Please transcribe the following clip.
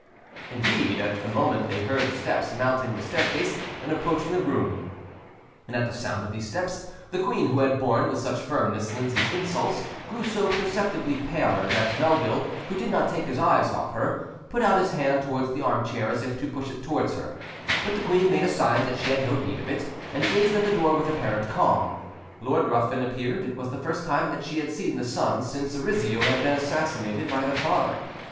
Indeed, at that moment they heard steps mounting the staircase and approaching the room, and at the sound of these steps, the queen, who had borne with such firmness Lindsay's insults, grew so perceptibly paler, that Melville, who did not take his eyes off her,—put out his hand towards the arm chair as if to push it towards her; but the queen made a sign that she had no need of it, and gazed at the door with apparent calm. Lord Ruthven appeared; it was the first time that she had seen the son since Rizzio had been assassinated by the father.